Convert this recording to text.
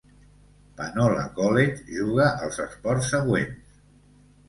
Panola College juga els esports següents.